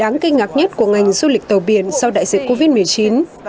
đáng kinh ngạc nhất của ngành du lịch tàu biển sau đại dịch covid một mươi chín